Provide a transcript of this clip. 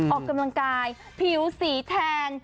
ออกกำลังกายผิวสีแทน